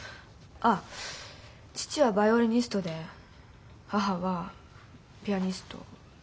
父はバイオリニストで母はピアニストだった。